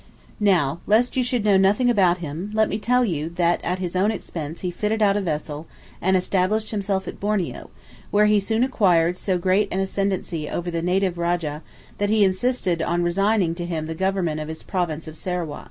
Now, lest you should know nothing about him, let me tell you that at his own expense he fitted out a vessel, and established himself at Borneo, where he soon acquired so great [an] ascendancy over the native Rajah, that he insisted on resigning to him the government of his province of Sarawak.